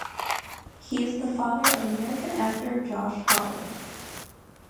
He is the father of American actor Josh Holland.